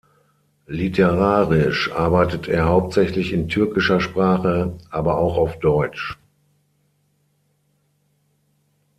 Literarisch arbeitet er hauptsächlich in türkischer Sprache, aber auch auf deutsch.